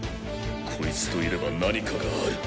コイツといれば何かがある。